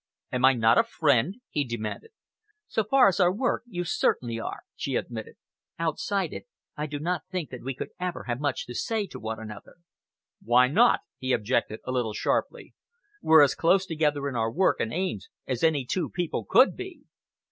"Am I not a friend?" he demanded. "So far as regards our work, you certainly are," she admitted. "Outside it, I do not think that we could ever have much to say to one another." "Why not?" he objected, a little sharply. "We're as close together in our work and aims as any two people could be.